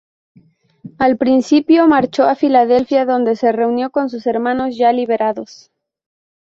Al principio marchó a Filadelfia, donde se reunió con sus hermanos, ya liberados.